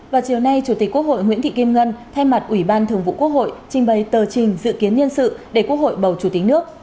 vào chiều nay chủ tịch quốc hội nguyễn thị kim ngân thay mặt ủy ban thường vụ quốc hội trình bày tờ trình dự kiến nhân sự để quốc hội bầu chủ tịch nước